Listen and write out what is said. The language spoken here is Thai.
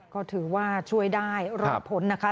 ก็ถือว่าช่วยได้รอดพ้นนะคะ